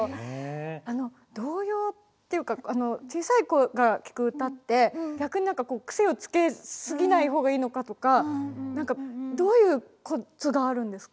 あの童謡っていうか小さい子が聴く歌って逆に何か癖をつけ過ぎない方がいいのかとか何かどういうコツがあるんですか？